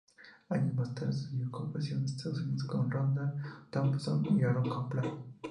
Años más tarde estudió Composición en Estados Unidos con Randall Thompson y Aaron Copland.